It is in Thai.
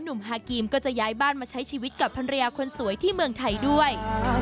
ฮากีมก็จะย้ายบ้านมาใช้ชีวิตกับภรรยาคนสวยที่เมืองไทยด้วย